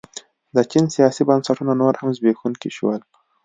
د چین سیاسي بنسټونه نور هم زبېښونکي شول.